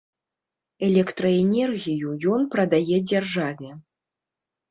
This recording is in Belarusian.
Электраэнергію ён прадае дзяржаве.